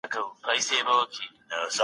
مځکه له سړک ښه ده.